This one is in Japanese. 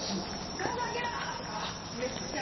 「ガード上げろ！」とかめっちゃ。